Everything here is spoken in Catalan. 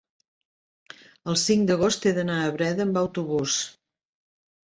el cinc d'agost he d'anar a Breda amb autobús.